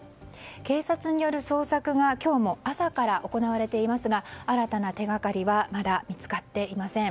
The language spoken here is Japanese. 警察による捜索が今日も朝から行われていますが新たな手掛かりはまだ見つかっていません。